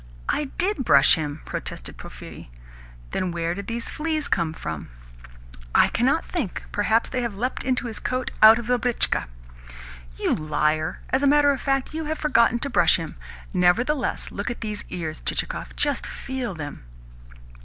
"I DID brush him," protested Porphyri. "Then where did these fleas come from?" "I cannot think. Perhaps they have leapt into his coat out of the britchka." "You liar! As a matter of fact, you have forgotten to brush him. Nevertheless, look at these ears, Chichikov. Just feel them."